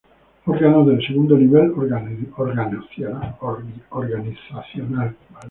Órganos del segundo nivel organizacional.